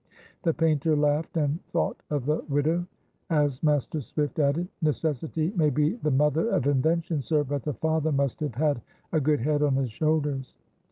The painter laughed, and thought of the widow, as Master Swift added, "Necessity may be the mother of invention, sir, but the father must have had a good head on his shoulders."